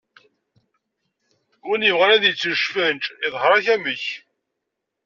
Win yebɣan ad yečč lesfenǧ, iḍher-ak amek.